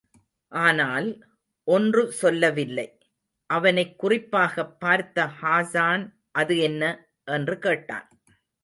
ஆனால், ஒன்று சொல்லவில்லை. அவனைக் குறிப்பாகப் பார்த்த ஹாஸான் அது என்ன? என்று கேட்டான்.